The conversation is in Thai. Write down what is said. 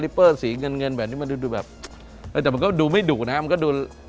คลิปเปอร์มันน่าจะดุกว่านิด